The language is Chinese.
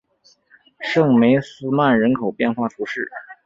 圣梅斯曼人口变化图示